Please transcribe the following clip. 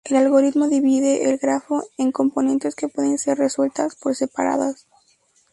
El algoritmo divide el grafo en componentes que pueden ser resueltas por separadas.